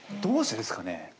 どうしてですかね？